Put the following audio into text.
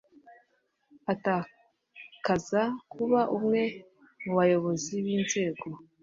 atakaza kuba umwe mu bayobozi b inzego